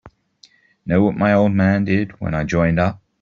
Know what my old man did when I joined up?